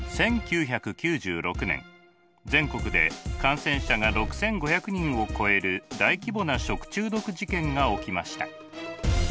１９９６年全国で感染者が６，５００人を超える大規模な食中毒事件が起きました。